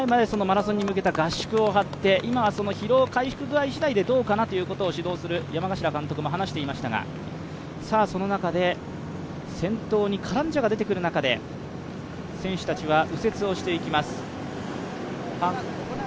１週間ほど前までマラソンに向けた合宿を張って今は疲労回復しだいでどうかなということを指導する山頭監督も話していましたがその中で先頭にカランジャが出てくる中で、選手たちは右折をしていきます。